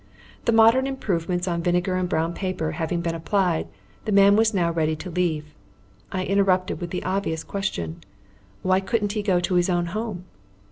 The modern improvements on vinegar and brown paper having been applied, the man was now ready to leave. I interrupted with the obvious question. Why couldn't he go to his own home?